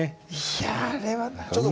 いやあれは泣く。